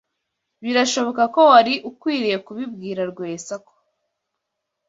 Birashoboka ko wari ukwiye kubibwira Rwesa ko.